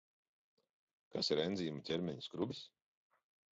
Kas ir enzīmu ķermeņa skrubis?